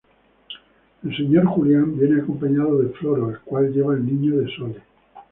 El señor Julián, viene acompañado de Floro, el cual lleva al niño de Sole.